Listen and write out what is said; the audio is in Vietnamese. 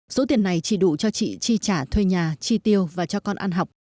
số tiền này chỉ đủ cho chị chi trả thuê nhà chi tiêu và cho con ăn học